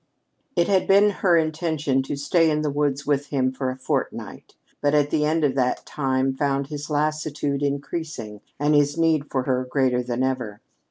It had been her intention to stay in the woods with him for a fortnight, but the end of that time found his lassitude increasing and his need for her greater than ever.